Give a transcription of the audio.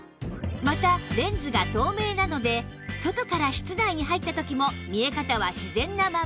またレンズが透明なので外から室内に入った時も見え方は自然なまま